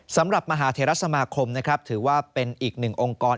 มหาเทรสมาคมนะครับถือว่าเป็นอีกหนึ่งองค์กร